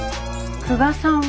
久我さんは？